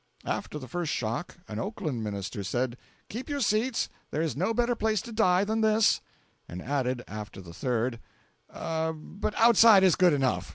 After the first shock, an Oakland minister said: "Keep your seats! There is no better place to die than this"— And added, after the third: "But outside is good enough!"